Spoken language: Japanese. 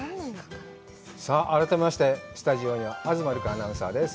改めましてスタジオには東留伽アナウンサーです。